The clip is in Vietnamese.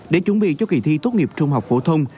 để chuẩn bị cho kỳ thi tốt nghiệp trung học phổ thông